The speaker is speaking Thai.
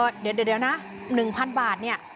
เดี๋ยวนะ๑๐๐๐บาทเนี่ย